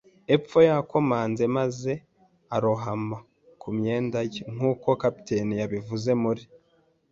epfo yakomanze, maze arohama “ku myenda ye,” nk'uko kapiteni yabivuze, muri